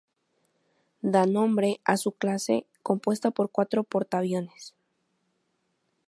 Da nombre a su clase, compuesta por cuatro portaaviones.